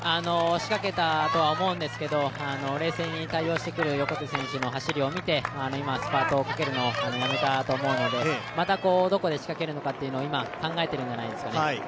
仕掛けたとは思うんですが、冷静に対応してくる横手選手の走りを見て今はスパートをかけるのをやめたと思うのでまたどこで仕掛けるのかを今、考えているんじゃないですかね。